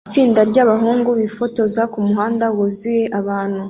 Itsinda ryabahungu bifotoza kumuhanda wuzuye abantu